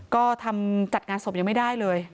ก็ทำจัดงานศพยังไม่ได้เลย